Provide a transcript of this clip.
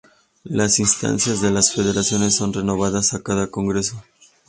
Las instancias de las federaciones son renovadas a cada congreso.